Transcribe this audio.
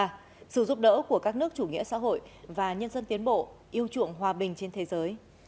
và sự giúp đỡ của các nước chủ nghĩa xã hội và nhân dân tiến bộ yêu chuộng hòa bình trên thế giới